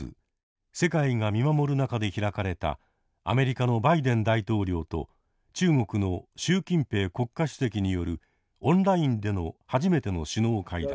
世界が見守る中で開かれたアメリカのバイデン大統領と中国の習近平国家主席によるオンラインでの初めての首脳会談。